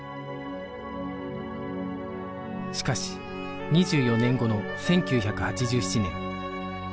しかし２４年後の１９８７年